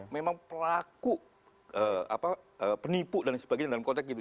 memang pelaku penipu dan sebagainya dalam konteks gitu